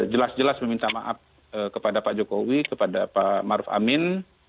jelas jelas meminta maaf kepada pak jokowi kepada pak maruf amin